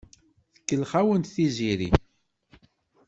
Tkellex-awent Tiziri.